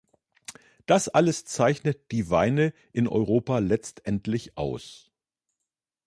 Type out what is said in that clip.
Das alles zeichnet die Weine in Europa letztendlich aus.